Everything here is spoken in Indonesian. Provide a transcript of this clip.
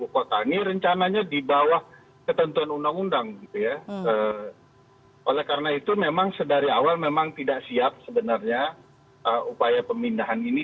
karena itu memang sedari awal memang tidak siap sebenarnya upaya pemindahan ini